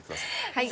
はい。